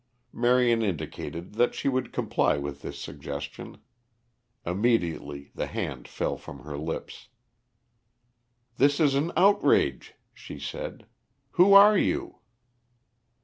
Marion indicated that she would comply with this suggestion. Immediately the hand fell from her lips. "This is an outrage," she said. "Who are you?"